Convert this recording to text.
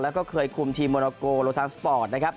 แล้วก็เคยคุมทีมโมนาโกโลซานสปอร์ตนะครับ